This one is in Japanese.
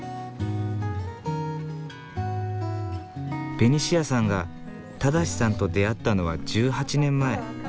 ベニシアさんが正さんと出会ったのは１８年前。